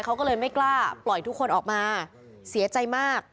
เขาก็เลยไม่กล้าปล่อยทุกคนออกมาเสียใจมาก